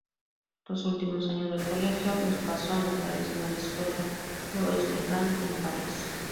Los últimos años del colegio los pasó en la tradicional escuela "Louis-le-Grand" en París.